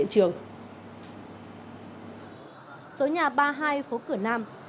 số nhà ba mươi hai phố cửa nam